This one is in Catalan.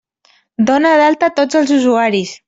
Dona d'alta tots els usuaris!